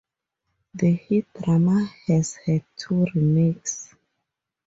The hit drama has had two remakes.